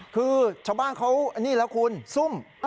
คือชาวบ้านเขานี่แล้วคุณซุ่ม